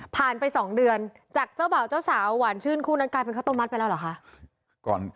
ไป๒เดือนจากเจ้าบ่าวเจ้าสาวหวานชื่นคู่นั้นกลายเป็นข้าวต้มมัดไปแล้วเหรอคะ